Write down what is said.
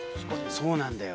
そうなんだよ。